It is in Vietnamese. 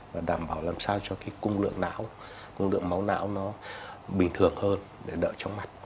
và đảm bảo làm sao cho cái cung lượng não cung lượng máu não nó bình thường hơn để đỡ chóng mặt